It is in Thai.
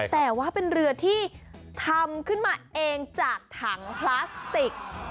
แต่ว่าเป็นเรือที่ทำขึ้นมาเองจากถังพลาสติก